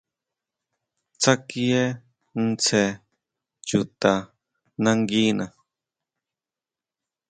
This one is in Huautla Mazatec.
Tsákie tsjen chuta nanguina.